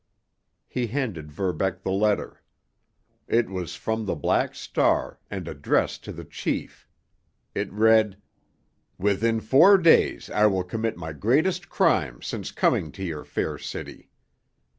He handed Verbeck the letter. It was from the Black Star and addressed to the chief. It read: Within four days I will commit my greatest crime since coming to your fair city.